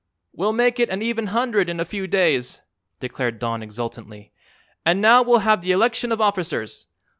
"We'll make it an even hundred in a few days," declared Don exultantly. "And now we'll have the election of officers.